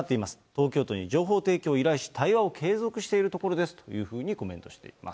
東京都に情報提供を依頼し、対話を継続しているところですとコメントしています。